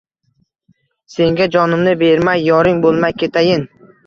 Senga jonimni bermay, Yoring boʼlmay ketayin…